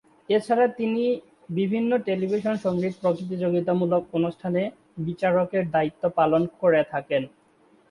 এছাড়া তিনি বিভিন্ন টেলিভিশন সঙ্গীত প্রতিযোগিতামূলক অনুষ্ঠানে বিচারকের দায়িত্ব পালন করে থাকেন।